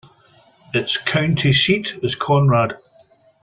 Its county seat is Conrad.